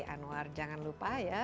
anwar jangan lupa ya